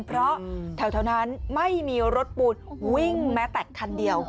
เพราะแถวนั้นไม่มีรถปูนวิ่งแม้แต่คันเดียว